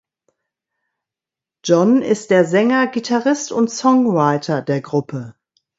Jon ist der Sänger, Gitarrist und Songwriter der Gruppe.